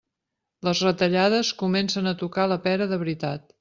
Les retallades comencen a tocar la pera de veritat.